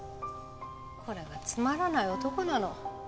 これがつまらない男なの。